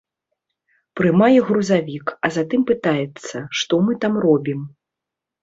Прымае грузавік, а затым пытаецца, што мы там робім.